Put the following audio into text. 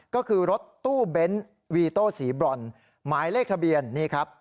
ก็คือรถตู้เบ้นวีโต้สีบรอนหมายเลขทะเบียนนี่ครับ